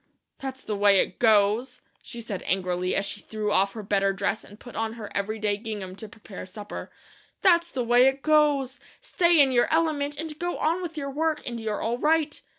"That's the way it goes," she said angrily, as she threw off her better dress and put on her every day gingham to prepare supper. "That's the way it goes! Stay in your element, and go on with your work, and you're all right.